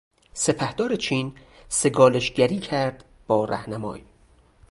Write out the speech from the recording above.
سپهدار چین... سگالشگری کرد با رهنمای